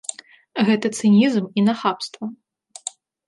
Гэта цынізм і нахабства.